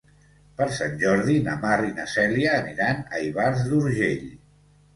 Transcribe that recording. Per Sant Jordi na Mar i na Cèlia aniran a Ivars d'Urgell.